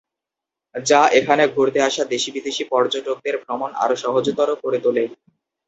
যা এখানে ঘুরতে আসা দেশি-বিদেশী পর্যটকদের ভ্রমণ আরো সহজতর করে তোলে।